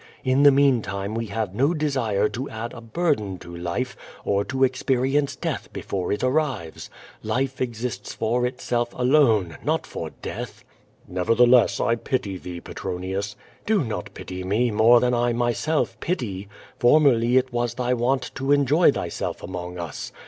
In the meantime we have no desire to add a burden to life or to experience death before it arrives. Life exists for itself alone, not for death." "Neverllieless, I pity thee,' Petronius." "Do not pity me more than 1 myself pity. Formerly it was thy wont to enjoy thyself among us.